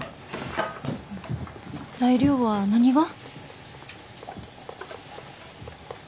材料は何が。